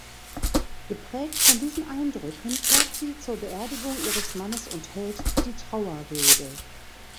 Geprägt von diesen Eindrücken fährt sie zur Beerdigung ihres Mannes und hält die Trauerrede.